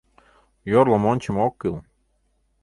Йорлым ончымо ок кӱл.